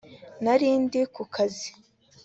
Nari ndi ku kazi